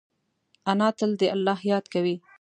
انا تل د الله یاد کوي